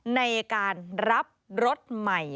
ในการรับรถใหม่